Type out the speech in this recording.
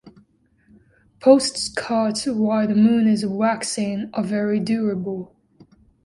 Posts cut while the moon is waxing are very durable.